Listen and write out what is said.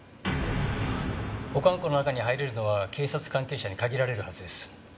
保管庫の中に入れるのは警察関係者に限られるはずです。